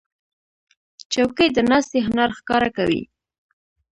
چوکۍ د ناستې هنر ښکاره کوي.